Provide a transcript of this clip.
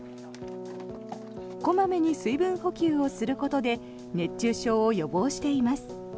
小まめに水分補給をすることで熱中症を予防しています。